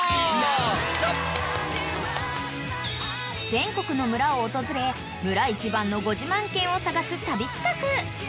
［全国の村を訪れ村一番のご自慢犬を探す旅企画］